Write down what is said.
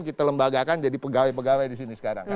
kita lembagakan jadi pegawai pegawai di sini sekarang